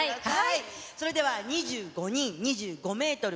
それでは２５人、２５メートル